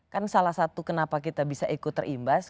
kan salah satu kenapa kita bisa ikut terimbas